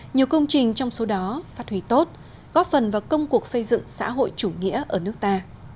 nhiều công trình trong số đó phát huy tốt góp phần vào công cuộc xây dựng xã hội chủ nghĩa ở nước ta